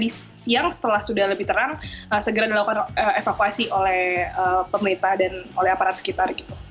dan kita di siang setelah sudah lebih terang segera dilakukan evakuasi oleh pemerintah dan oleh aparat sekitar